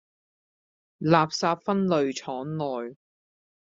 垃圾分類廠內